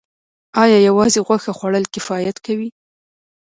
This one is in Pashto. ایا یوازې غوښه خوړل کفایت کوي